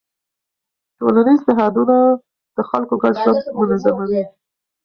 ټولنیز نهادونه د خلکو ګډ ژوند منظموي.